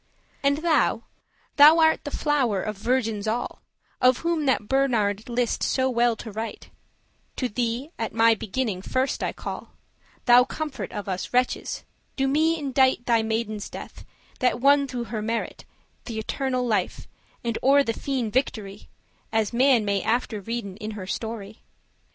And thou, thou art the flow'r of virgins all, Of whom that Bernard list so well to write, <3> To thee at my beginning first I call; Thou comfort of us wretches, do me indite Thy maiden's death, that won through her merite Th' eternal life, and o'er the fiend victory, As man may after readen in her story.